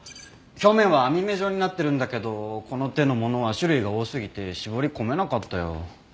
表面は網目状になってるんだけどこの手のものは種類が多すぎて絞り込めなかったよ。